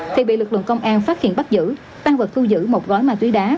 thì bị lực lượng công an phát hiện bắt giữ tăng vật thu giữ một gói ma túy đá